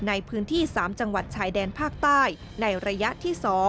ในพื้นที่๓จังหวัดชายแดนภาคใต้ในระยะที่๒